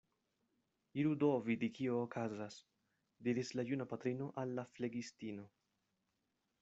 Iru do vidi, kio okazas, diris la juna patrino al la flegistino.